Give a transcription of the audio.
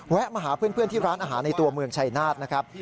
มาหาเพื่อนที่ร้านอาหารในตัวเมืองชายนาฏนะครับ